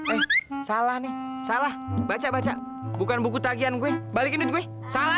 eh salah nih salah baca baca bukan buku tagian gue balikin duit gue salah